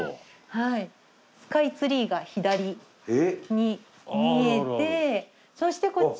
スカイツリーが左に見えてそしてこっち。